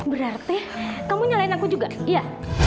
berarti kamu nyalain aku juga iya